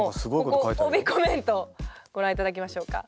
ここ帯コメントご覧頂きましょうか。